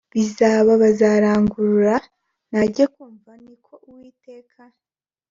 bizaba bazarangurura nange kumva ni ko Uwiteka